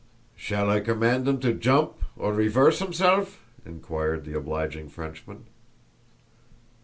"Shall I command 'im to jump, or reverse 'imself?" inquired the obliging Frenchman.